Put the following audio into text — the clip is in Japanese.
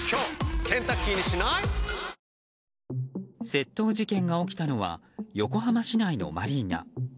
窃盗事件が起きたのは横浜市内のマリーナ。